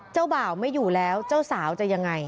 เจ้าบ่าวไม่อยู่แล้วเจ้าสาวจะยังไง